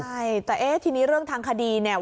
ใช่แต่เอ๊ะทีนี้เรื่องทางคดีเนี่ย